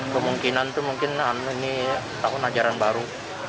kemungkinan itu mungkin ini tahun ajaran baru